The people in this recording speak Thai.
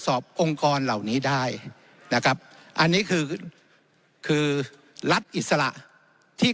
องค์กรเหล่านี้ได้นะครับอันนี้คือคือรัฐอิสระที่